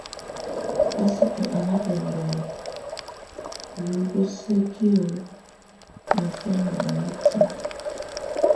Pasito à nà bɛndɔ̀ yùbǝ́sǝkiǝ́ niɔfɛ̀nɛ ù mitinǝ.